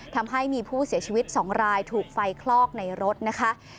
ทำให้มีผู้เสียชีวิต๒รายถูกไฟคลอกในรถนะคะ